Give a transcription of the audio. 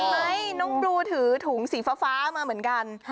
ไหมน้องบลูถือถุงสีฟ้ามาเหมือนกัน